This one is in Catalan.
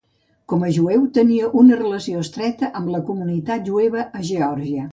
Com a jueu, tenia una relació estreta amb la comunitat jueva a Georgia.